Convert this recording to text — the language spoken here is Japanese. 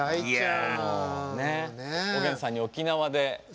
もうねえおげんさんに沖縄で。